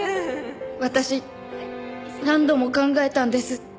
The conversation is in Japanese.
私何度も考えたんです。